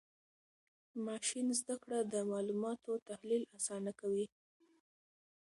ماشین زده کړه د معلوماتو تحلیل آسانه کوي.